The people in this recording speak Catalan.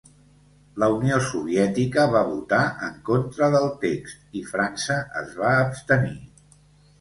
La Unió Soviètica va votar en contra del text i França es va abstenir.